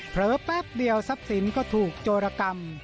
แป๊บเดียวทรัพย์สินก็ถูกโจรกรรม